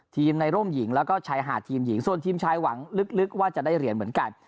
ทีมในร่มหญิงแล้วก็ชายหาดทีมหญิงส่วนทีมชายหวังลึกว่าจะได้เหรียญเหมือนกัน